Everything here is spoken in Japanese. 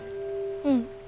うん。